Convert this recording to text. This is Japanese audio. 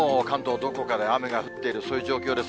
どこかで雨が降っている、そういう状況です。